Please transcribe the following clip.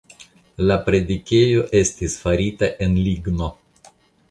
La predikejo estis farita en ligno.